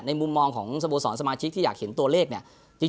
มุมมองของสโมสรสมาชิกที่อยากเห็นตัวเลขเนี่ย